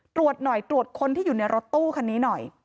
ตรวจหน่อยตรวจคนที่อยู่ในรถตู้คันนี้หน่อย